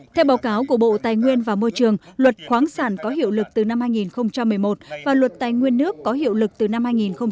theo báo cáo của bộ tài nguyên và môi trường luật khoáng sản có hiệu lực từ năm hai nghìn một mươi một và luật tài nguyên nước có hiệu lực từ năm hai nghìn một mươi